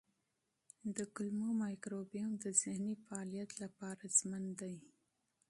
د کولمو مایکروبیوم د ذهني فعالیت لپاره حیاتي دی.